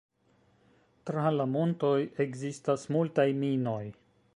Tra la montoj ekzistas multaj minoj.